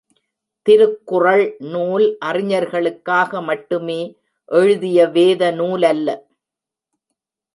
திருக்குறள் நூல் அறிஞர்களுக்காக மட்டுமே எழுதிய வேத நூலல்ல.